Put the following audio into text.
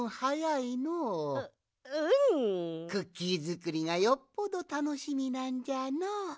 クッキーづくりがよっぽどたのしみなんじゃのう。